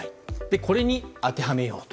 これに当てはめようと。